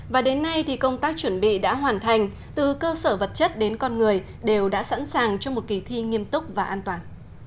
và đến nay thì công tác chuẩn bị đã hoàn thành từ cơ sở vật chất đến con người đều đã sẵn sàng cho một kỳ thi nghiêm túc và an toàn